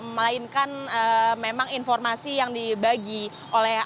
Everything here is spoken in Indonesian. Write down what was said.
melainkan memang informasi yang dibagi oleh